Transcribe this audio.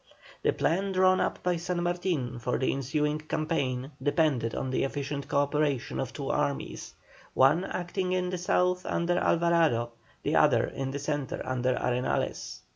The plan drawn up by San Martin for the ensuing campaign depended upon the efficient co operation of two armies; one acting in the South under Alvarado, the other in the Centre under Arenales.